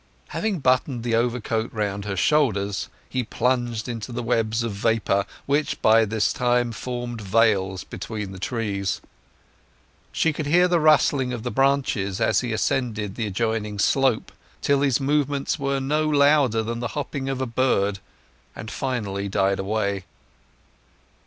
Having buttoned the overcoat round her shoulders he plunged into the webs of vapour which by this time formed veils between the trees. She could hear the rustling of the branches as he ascended the adjoining slope, till his movements were no louder than the hopping of a bird, and finally died away.